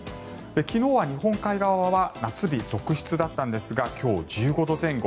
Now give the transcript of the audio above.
昨日は日本海側は夏日続出だったんですが今日、１５度前後。